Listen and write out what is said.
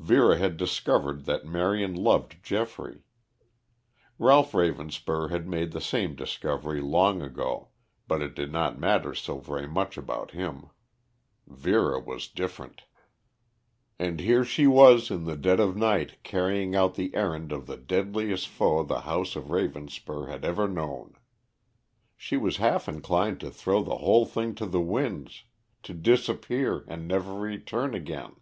Vera had discovered that Marion loved Geoffrey. Ralph Ravenspur had made the same discovery long ago, but it did not matter so very much about him; Vera was different. And here she was in the dead of night carrying out the errand of the deadliest foe the house of Ravenspur had ever known. She was half inclined to throw the whole thing to the winds, to disappear and never return again.